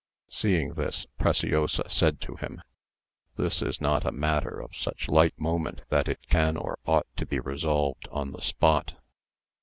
Seeing this, Preciosa said to him, "This is not a matter of such light moment that it can or ought to be resolved on the spot.